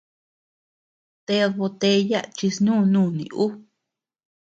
!Ted botella chi snú nuni ú!